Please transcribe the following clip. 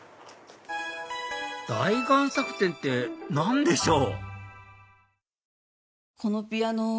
大贋作展って何でしょう？